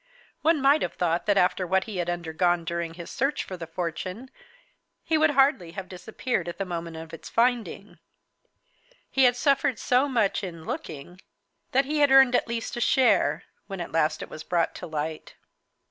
One might have thought that after what he had undergone during his search for the fortune he would hardly have disappeared at the moment of its finding. He had suffered so much in looking, that he had earned at least a share, when at last it was brought to light.